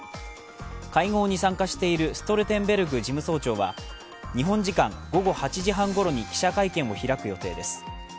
会合に参加しているストルテンベルグ事務総長は日本時間午後８時半ごろに記者会見を開く予定です。